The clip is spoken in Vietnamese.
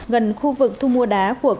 gần khu vực thu mua đá của công ty trách nhiệm